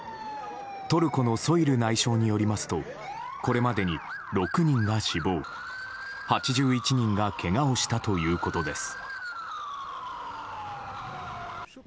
トルコのソイル内相によりますとこれまでに６人が死亡８１人がけがをしたということです。